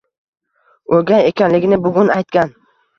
O'gay ekanligini bugun aytgan